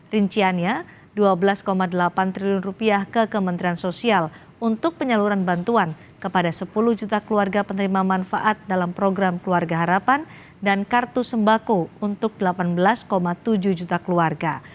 rinciannya rp dua belas delapan triliun ke kementerian sosial untuk penyaluran bantuan kepada sepuluh juta keluarga penerima manfaat dalam program keluarga harapan dan kartu sembako untuk delapan belas tujuh juta keluarga